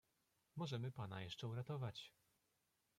"Możemy pana jeszcze uratować."